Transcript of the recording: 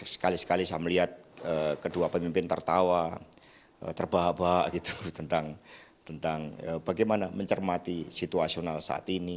sekali sekali saya melihat kedua pemimpin tertawa terbahak bahak gitu tentang bagaimana mencermati situasional saat ini